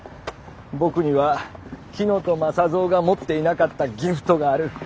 僕には乙雅三が持っていなかった「ギフト」があるッ。